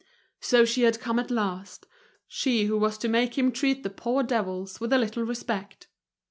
So she had come at last, she who was to make him treat the poor devils with a little respect!